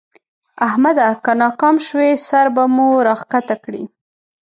احمده! که ناکام شوې؛ سر به مو راکښته کړې.